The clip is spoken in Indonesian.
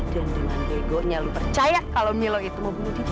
dan dengan begonya lo percaya kalau milo itu mau bunuh diri